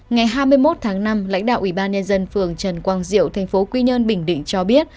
ngày hai mươi một tháng năm lãnh đạo ủy ban nhân dân phường trần quang diệu thành phố quy nhơn bình định cho biết